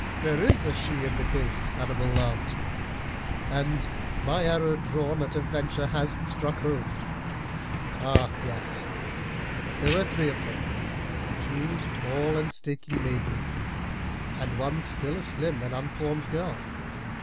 "Oh! there is a she in the case," Hannibal laughed; "and my arrow drawn at a venture has struck home. Ah! yes, there were three of them, two tall and stately maidens and one still a slim and unformed girl.